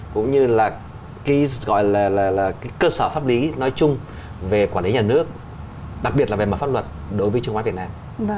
cũng như là cơ sở pháp lý nói chung về quản lý nhà nước đặc biệt là về mặt pháp luật đối với thị trường chứng khoán việt nam